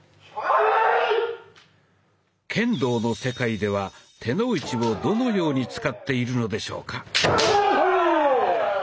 剣道の世界では「手の内」をどのように使っているのでしょうか？